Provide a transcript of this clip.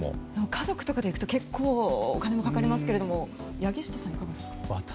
家族とかで行くと結構お金かかりますけれども柳下さん、いかがですか？